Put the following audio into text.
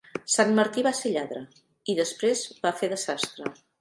Sant Martí va ser lladre, i després va fer de sastre.